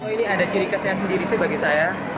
ini ada ciri khasnya sendiri sih bagi saya